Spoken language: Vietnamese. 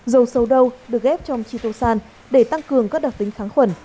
dầu sầu đâu được ghép trong chitosan để tăng cường các đặc tính kháng khuẩn